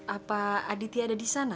apa aditya ada disana